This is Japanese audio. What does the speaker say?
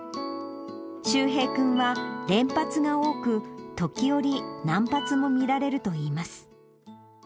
柊平君は、連発が多く、時折、難発も見られるといいます。